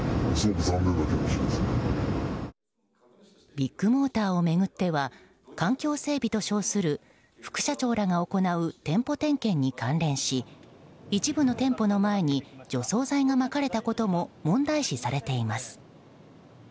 ビッグモーターを巡っては環境整備と称する副社長らが行う店舗点検に関連し一部の店舗の前に除草剤がまかれたことも問題視されています。